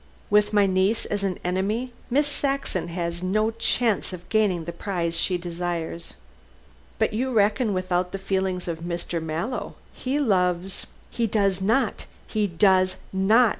With my niece as an enemy, Miss Saxon has no chance of gaining the prize she desires." "But you reckon without the feelings of Mr. Mallow. He loves " "He does not he does not!"